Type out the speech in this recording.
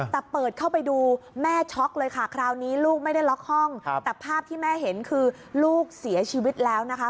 แต่เปิดเข้าไปดูแม่ช็อกเลยค่ะคราวนี้ลูกไม่ได้ล็อกห้องแต่ภาพที่แม่เห็นคือลูกเสียชีวิตแล้วนะคะ